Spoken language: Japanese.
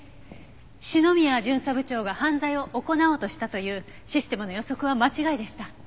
篠宮巡査部長が犯罪を行おうとしたというシステムの予測は間違いでした。